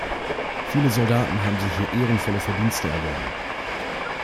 Viele Soldaten haben sich hier ehrenvolle Verdienste erworben.